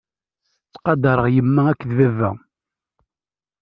Ttqadareɣ yemma akked baba.